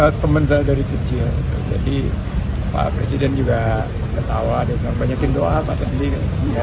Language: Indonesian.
kami teman saya dari kecil jadi pak presiden juga ketawa banyakin doa pak